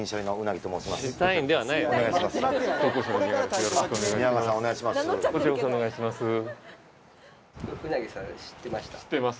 よろしくお願いします。